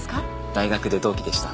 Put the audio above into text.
大学で同期でした。